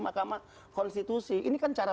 mahkamah konstitusi ini kan cara